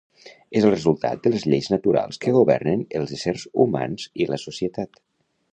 És el resultat de les lleis naturals que governen els éssers humans i la societat.